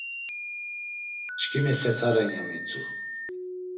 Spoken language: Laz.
Çkimi xeta ren ya mitzu.